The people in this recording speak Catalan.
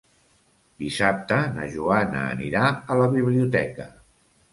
Dissabte na Joana anirà a la biblioteca.